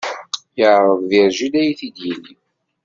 Yeɛreḍ Virgile ad yi-t-id-yini.